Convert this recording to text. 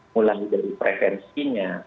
mulai dari prevensinya